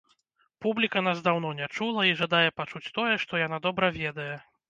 Публіка нас даўно не чула і жадае пачуць тое, што яна добра ведае.